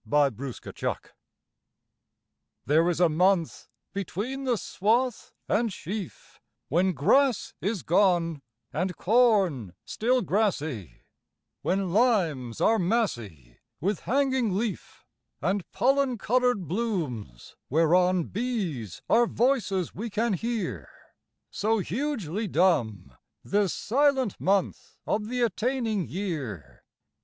Michael Field July THERE is a month between the swath and sheaf When grass is gone And corn still grassy; When limes are massy With hanging leaf, And pollen coloured blooms whereon Bees are voices we can hear, So hugely dumb This silent month of the attaining year.